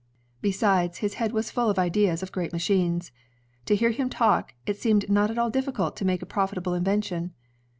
Besides, his head was full of ideas of great machines. To hear him talk, it seemed not at all difficult to make a profitable invention.